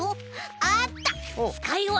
あった。